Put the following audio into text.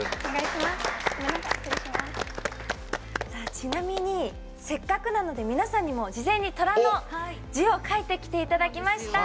ちなみにせっかくなので皆さんにも事前に「寅」の字を書いてきていただきました！